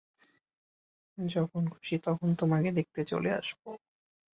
যখন খুশি তখন তোমাকে দেখতে চলে আসবো।